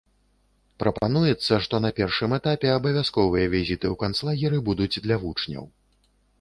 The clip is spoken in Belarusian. Прапануецца, што на першым этапе абавязковыя візіты ў канцлагеры будуць для вучняў.